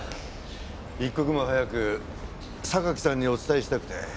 一刻も早く榊さんにお伝えしたくて。